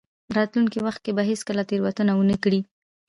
راتلونکي وخت کې به هېڅکله تېروتنه ونه کړئ.